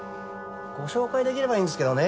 ご紹介できればいいんですけどね